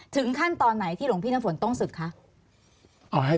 ขั้นตอนไหนที่หลวงพี่น้ำฝนต้องศึกคะ